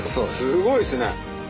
すごいですね。